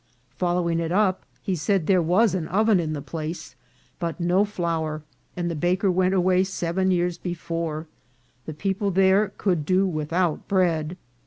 Following it up, he said there was an oven in the place, but no flour, and the baker went away seven years before ; tne people there could do without bread.